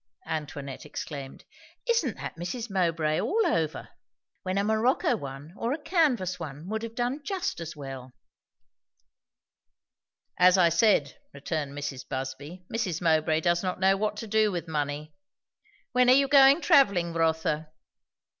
Antoinette exclaimed. "Isn't that Mrs. Mowbray all over? When a morocco one, or a canvas one, would have done just as well." "As I said," returned Mrs. Busby. "Mrs. Mowbray does not know what to do with money. When are you going travelling, Rotha?"